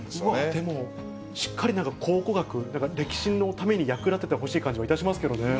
でもしっかりなんか、考古学、歴史のために役立ててほしい感じもいたしますけどね。